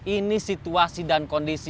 ini situasi dan kondisi